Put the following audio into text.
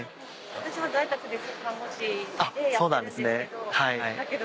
私は在宅で看護師でやってるんですけど。